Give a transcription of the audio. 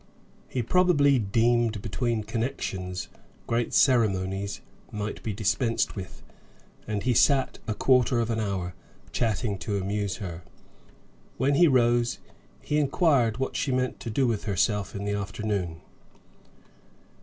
He probably deemed between connections great ceremonies might be dispensed with, and he sat a quarter of an hour, chatting to amuse her. When he rose, he inquired what she meant to do with herself in the afternoon.